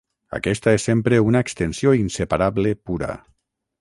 Aquesta és sempre una extensió inseparable pura.